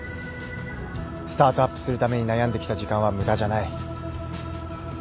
スタートアップするために悩んできた時間は無駄じゃない。